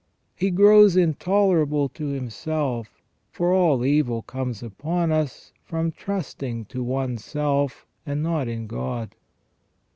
He grows intolerable to himself, for all evil comes upon us from trusting to one's self, and not in God.